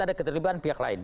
ada keterlibatan pihak lain